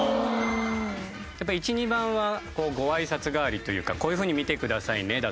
やっぱ１２番はご挨拶代わりというかこういうふうに見てくださいねだと思うんですよ。